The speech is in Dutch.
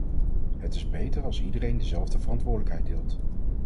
Het is beter als iedereen dezelfde verantwoordelijkheid deelt.